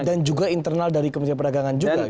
dan juga internal dari kementerian perdagangan juga gitu ya